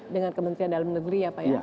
dengan kementerian dalam negeri ya pak ya